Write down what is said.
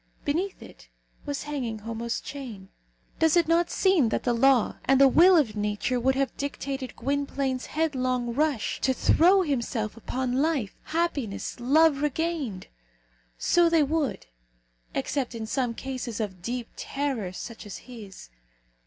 Beneath it was hanging Homo's chain. Does it not seem that the law and the will of nature would have dictated Gwynplaine's headlong rush to throw himself upon life, happiness, love regained? So they would, except in some case of deep terror such as his.